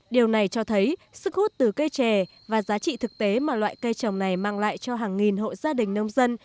điều này cho thấy sức hút từ cây trè và giá trị thực tế mà loại cây trồng này mang lại cho hàng nghìn hộ gia đình nông dân